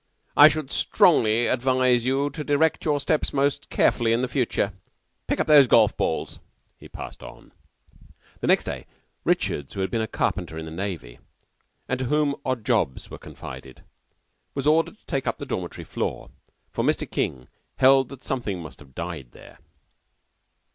I should strongly advise you to direct your steps most carefully in the future. Pick up those golf balls." He passed on. Next day Richards, who had been a carpenter in the Navy, and to whom odd jobs were confided, was ordered to take up a dormitory floor; for Mr. King held that something must have died there.